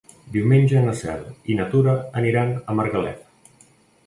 Diumenge na Cel i na Tura aniran a Margalef.